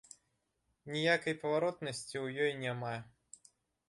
Ніякай паваротнасці ў ёй няма.